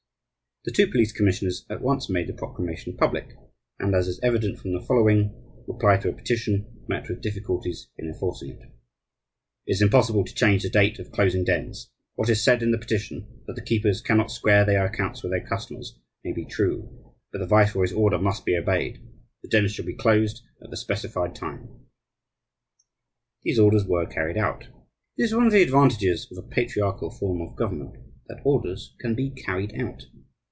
The two police commissioners at once made the proclamation public; and, as is evident from the following "Reply to a petition," met with difficulties in enforcing it: "It is impossible to change the date of closing dens. What is said in the petition, that the keepers cannot square their accounts with their customers, may be true, but the viceroy's order must be obeyed. The dens shall be closed at the specified time." These orders were carried out. It is one of the advantages of a patriarchal form of government that orders can be carried out.